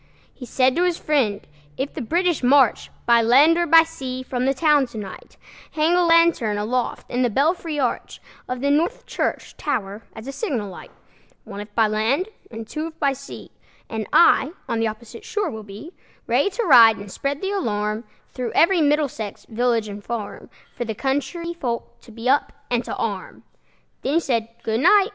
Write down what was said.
He said to his friend, "If the British march By land or sea from the town to night, Hang a lantern aloft in the belfry arch Of the North Church tower as a signal light, One, if by land, and two, if by sea; And I on the opposite shore will be, Ready to ride and spread the alarm Through every Middlesex village and farm, For the country folk to be up and to arm." Then he said, "Good night!"